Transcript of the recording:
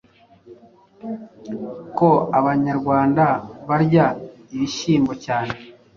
ko Abanyarwanda barya ibishyimbo cyane?